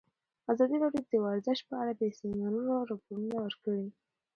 ازادي راډیو د ورزش په اړه د سیمینارونو راپورونه ورکړي.